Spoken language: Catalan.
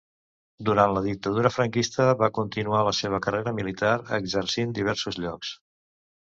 Durant la Dictadura franquista va continuar la seva carrera militar, exercint diversos llocs.